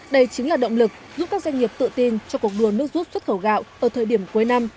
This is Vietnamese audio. đây chính là động lực giúp các doanh nghiệp tự tin cho cuộc đua nước rút xuất khẩu gạo ở thời điểm cuối năm